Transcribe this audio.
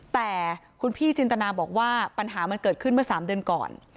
แต่คุณพี่จินตนาบอกว่าปัญหามันเกิดขึ้นเมื่อ๓เดือนก่อน